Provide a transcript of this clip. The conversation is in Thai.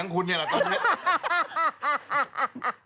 กูเสียงกุนะตอนนี้